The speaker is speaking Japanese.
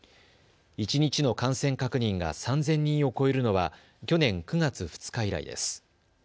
一日の感染確認が３０００人を超えるのは去年９月２日以来です。